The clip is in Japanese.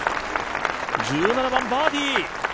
１７番、バーディー。